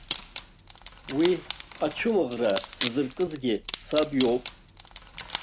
Уи ацәымӷра сзыркызгьы саб иоуп.